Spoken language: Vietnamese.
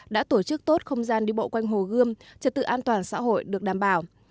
đã tổ chức tốt không gian đi bộ quanh hồ gươm trật tự an toàn xã hội được đảm bảo